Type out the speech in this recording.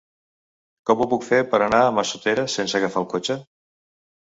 Com ho puc fer per anar a Massoteres sense agafar el cotxe?